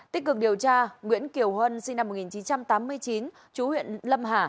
tích cực điều tra nguyễn kiều huân sinh năm một nghìn chín trăm tám mươi chín chú huyện lâm hà